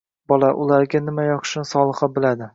Bola: ularga nima yoqishini Soliha biladi